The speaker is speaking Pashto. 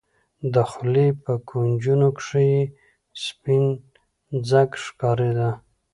د خولې په کونجونو کښې يې سپين ځګ ښکارېده.